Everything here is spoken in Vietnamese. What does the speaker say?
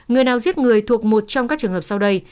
người nào giết người thuộc một trong các trường hợp sau đây